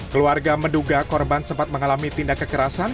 keluarga menduga korban sempat mengalami tindak kekerasan